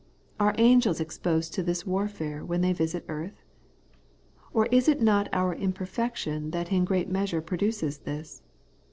Are angels exposed to this warfare when they visit earth ? Or is it not our imperfection that in great measure produces this